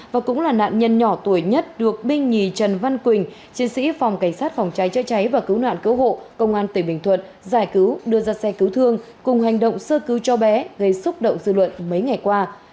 và cũng là nạn nhân nhỏ tuổi nhất được binh nhì trần văn quỳnh chiến sĩ phòng cảnh sát phòng cháy chữa cháy và cứu nạn cứu hộ công an tỉnh bình thuận giải cứu đưa ra xe cứu thương cùng hành động sơ cứu cho bé gây xúc động dư luận mấy ngày qua